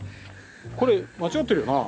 これ間違ってるよな？